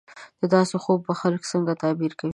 د داسې خوب به خلک څنګه تعبیرونه کوي